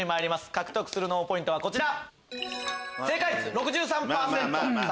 獲得する脳ポイントはこちら。